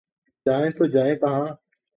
جائیں تو جائیں کہاں؟